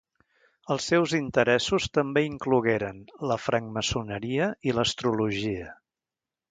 Els seus interessos també inclogueren la francmaçoneria i l'astrologia.